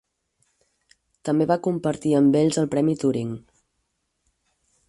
També va compartir amb ells el Premi Turing.